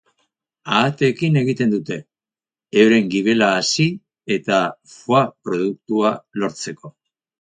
Ahateekin egiten dute, euren gibela hazi eta foie produktua lortzeko.